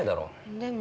でも。